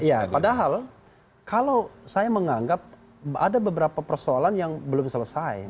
ya padahal kalau saya menganggap ada beberapa persoalan yang belum selesai